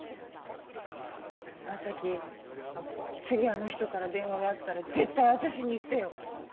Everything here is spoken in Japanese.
次あの人から電話があったら絶対私に言ってよ。